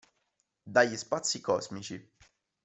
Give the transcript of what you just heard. Dagli spazi cosmici.